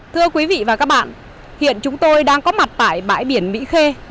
thưa quý vị và các bạn hiện chúng tôi đang có mặt tại bãi biển mỹ khê